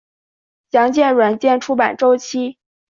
详见软件出版周期。